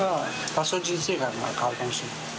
多少人生観が変わるかもしれん。